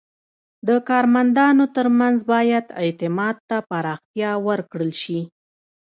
د کارمندانو ترمنځ باید اعتماد ته پراختیا ورکړل شي.